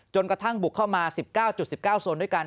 กระทั่งบุกเข้ามา๑๙๑๙โซนด้วยกัน